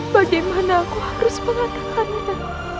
bagaimana aku harus mengatakannya